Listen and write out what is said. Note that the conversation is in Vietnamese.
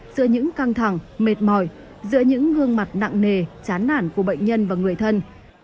giữa những căng thẳng mệt mỏi giữa những gương mặt nặng nề chán nản của bệnh nhân và người thân